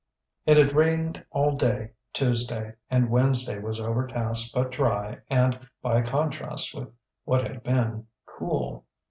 It had rained all day Tuesday, and Wednesday was overcast but dry and, by contrast with what had been, cool.